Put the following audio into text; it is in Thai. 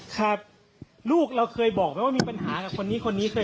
ครับลูกเราเคยบอกไหมว่ามีปัญหากับคนนี้คนนี้เคย